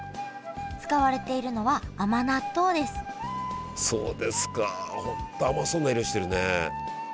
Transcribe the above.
使われているのは甘納豆ですそうですかほんと甘そうな色してるね。